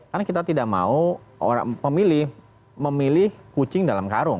karena kita tidak mau pemilih memilih kucing dalam karung